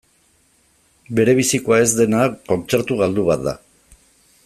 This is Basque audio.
Berebizikoa ez dena kontzertu galdu bat da.